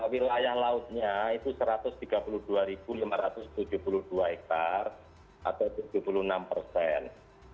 wilayah lautnya itu satu ratus tiga puluh dua lima ratus tujuh puluh dua hektare atau tujuh puluh enam persen